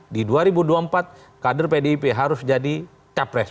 di dua ribu dua puluh empat kader pdip harus jadi capres